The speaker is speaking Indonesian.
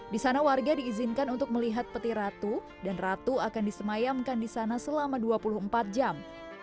di sana warga diizinkan untuk melihat peti ratu dan ratu akan disemayamkan di sana selama dua puluh empat jam